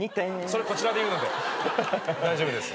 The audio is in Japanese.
それこちらで言うので大丈夫です。